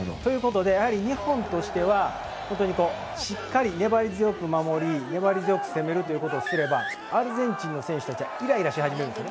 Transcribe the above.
日本としては、しっかり粘り強く守り、粘り強く攻めるということをすれば、アルゼンチンの選手たちはイライラし始めるんです。